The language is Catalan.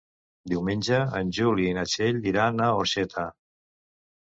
Diumenge en Juli i na Txell iran a Orxeta.